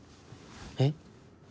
えっ？